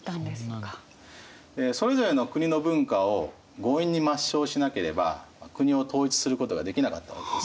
それぞれの国の文化を強引に抹消しなければ国を統一することができなかったわけですね。